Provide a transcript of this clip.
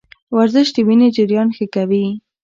ورزش د وینې جریان ښه کوي.